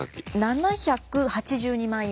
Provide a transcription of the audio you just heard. ７８２万円。